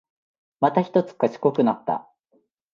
またひとつ賢くなった